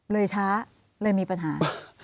เลยช้าเลยมีปัญหา